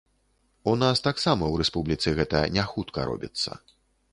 У нас таксама ў рэспубліцы гэта не хутка робіцца.